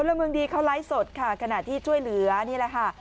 ละเมืองดีเขาไลฟ์สดค่ะขณะที่ช่วยเหลือนี่แหละค่ะ